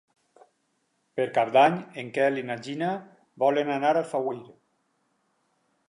Per Cap d'Any en Quel i na Gina volen anar a Alfauir.